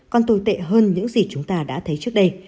còn tồi tệ hơn những gì chúng ta đã thấy trước đây